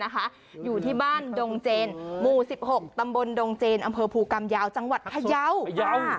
หรือภูกรรมยาวจังหวัดพยาว